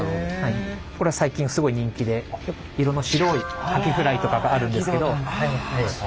これは最近すごい人気で色の白いカキフライとかがあるんですけど。